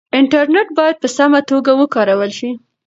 انټرنټ بايد په سمه توګه وکارول شي.